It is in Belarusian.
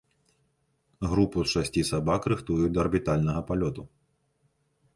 Групу з шасці сабак рыхтуюць да арбітальнага палёту.